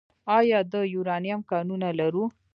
آیا د یورانیم کانونه لرو؟